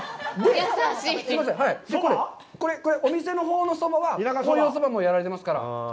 これ、お店のほうのそばはこういうおそばもやられてますから。